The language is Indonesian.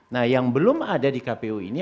nah yang belum ada di kpu ini